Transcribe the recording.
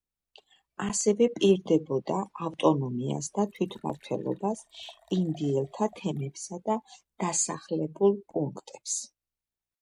ასევე პირდებოდა ავტონომიას და თვითმმართველობას ინდიელთა თემებსა და დასახლებულ პუნქტებს.